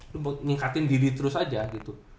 lu ngingkatin diri terus aja gitu